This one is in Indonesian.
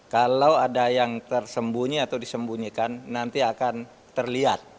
kalau ada yang tersembunyi atau disembunyikan nanti akan terlihat